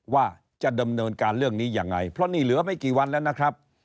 ว่าจะดำเนินการเรื่องนี้ยังไงเพราะนี่เหลือไม่กี่วันแล้วนะครับ